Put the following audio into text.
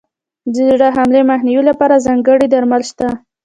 د زړه حملې مخنیوي لپاره ځانګړي درمل شته.